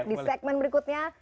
di segmen berikutnya